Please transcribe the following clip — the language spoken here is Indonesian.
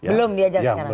belum diajak sekarang